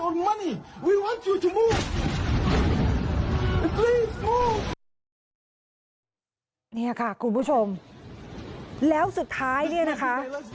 แล้วตอนสุดท้ายเนี่ยนะคะ